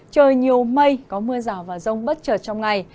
trời nhiều mây có mưa rào và rông bất chợt trong ngày